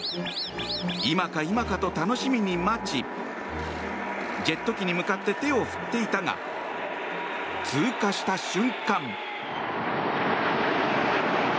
今か今かと楽しみに待ちジェット機に向かって手を振っていたが通過した瞬間。